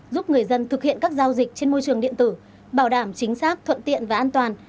giúp người dân thực hiện các giao dịch trên môi trường điện tử bảo đảm chính xác thuận tiện và an toàn